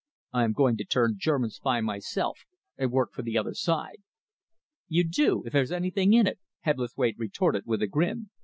I am going to turn German spy myself and work for the other side." "You do, if there's anything in it," Hebblethwaite retorted, with a grin.